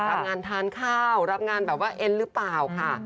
รับงานทานข้าวรับงานแบบว่าเอ็นหรือเปล่าค่ะ